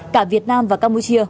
cả việt nam và campuchia